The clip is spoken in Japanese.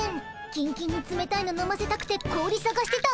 キンキンにつめたいの飲ませたくて氷さがしてた。